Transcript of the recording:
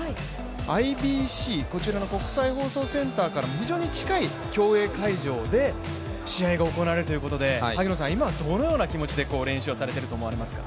ＩＢＣ国際放送センターから非常に近い競泳会場で試合が行われるということで今、どのような気持ちで練習をされていると思いますか？